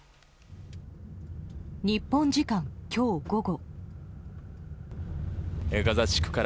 日本時間今日午後。